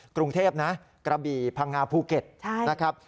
กรุงเทพนะกระบี่พังงาภูเก็ตนะครับ